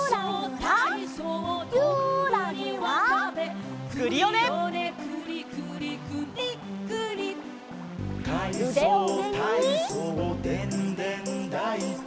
「かいそうたいそうでんでんだいこ」